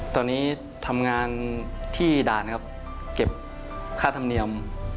ตอนนี้ทำงานที่ด่านครับเก็บค่าธรรมเนียม